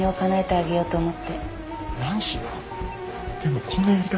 でもこんなやり方。